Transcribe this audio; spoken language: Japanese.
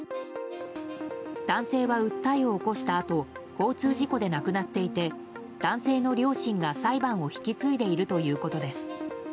男性は訴えを起こしたあと交通事故で亡くなっていて男性の両親が裁判を引き継いでいるということです。